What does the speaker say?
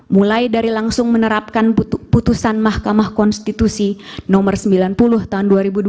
mulai dari langsung menerapkan putusan mahkamah konstitusi nomor sembilan puluh tahun dua ribu dua puluh